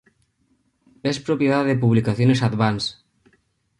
Es propiedad de Publicaciones Advance.